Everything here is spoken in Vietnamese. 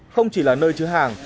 không chỉ là nơi chứa hàng